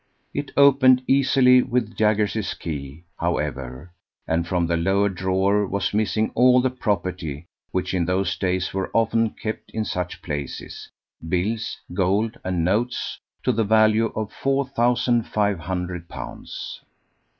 It opened easily with Jaggers's key, however; and from the lower drawer was missing all the property which in those days were often kept in such places bills, gold, and notes to the value of four thousand five hundred pounds.